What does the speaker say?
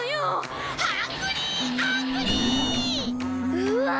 うわ！